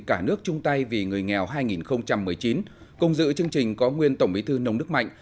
cả nước chung tay vì người nghèo hai nghìn một mươi chín cùng dự chương trình có nguyên tổng bí thư nông đức mạnh